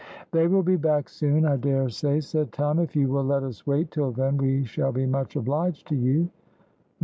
"They will be back soon, I dare say," said Tom. "If you will let us wait till then we shall be much obliged to you."